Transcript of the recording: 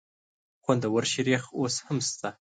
خوندور شریخ اوس هم شته؟